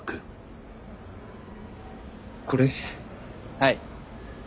はい。